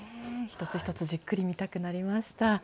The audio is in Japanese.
一つ一つじっくり見たくなりました。